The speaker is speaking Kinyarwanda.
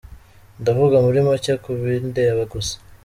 Ndavuga muri make ku bindeba gusa.